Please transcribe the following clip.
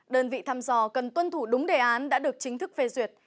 đơn vị thăm dò cần tuân thủ đúng đề án đã được chính thức phê duyệt